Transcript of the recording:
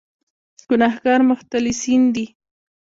ګناهکار مختلسین دي.